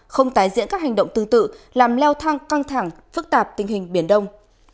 không tái diễn các hành động tương tự làm leo thang căng thẳng phức tạp tình hình biển đông